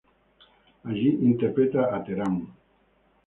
Allí interpreta a Terán.